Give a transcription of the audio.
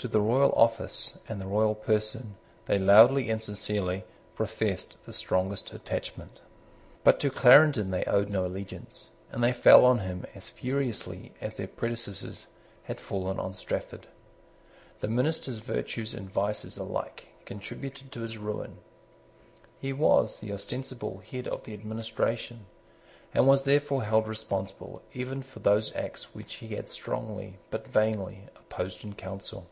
To the royal office, and the royal person, they loudly and sincerely professed the strongest attachment. But to Clarendon they owed no allegiance; and they fell on him as furiously as their predecessors had fallen on Strafford. The minister's virtues and vices alike contributed to his ruin. He was the ostensible head of the administration, and was therefore held responsible even for those acts which he had strongly, but vainly, opposed in Council.